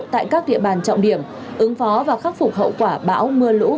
tại các địa bàn trọng điểm ứng phó và khắc phục hậu quân